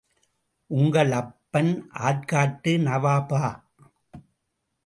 உங்கள் அப்பன் ஆர்க்காட்டு நவாபா?